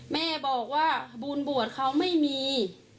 แม่บอกว่าบุญบวชเขาไม่มี